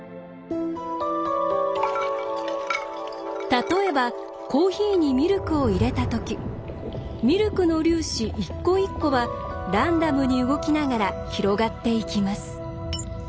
例えばコーヒーにミルクを入れたときミルクの粒子一個一個はランダムに動きながら広がっていきます。